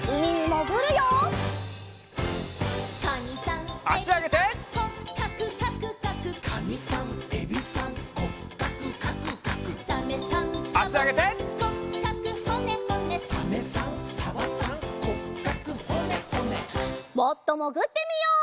もっともぐってみよう！